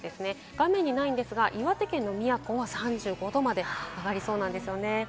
画面にないんですが、岩手県の宮古は３５度まで上がりそうです。